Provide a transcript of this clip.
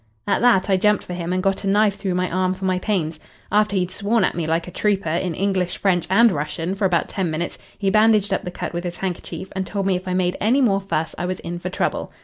"At that I jumped for him and got a knife through my arm for my pains. After he'd sworn at me like a trooper in English, French, and Russian for about ten minutes he bandaged up the cut with his handkerchief, and told me if I made any more fuss I was in for trouble.